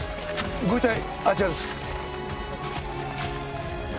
ご遺体あちらです。